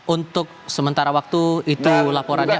untuk sementara waktu itu laporannya